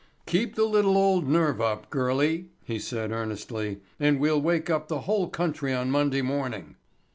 "Keep the little old nerve up, girlie," he said earnestly, "and we'll wake up the whole country on Monday morning."